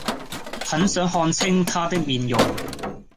很想看清他的面容